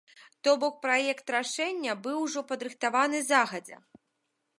То бок праект рашэння быў ужо падрыхтаваны загадзя.